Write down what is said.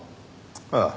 ああ。